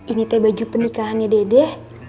ini teh baju pernikahannya dede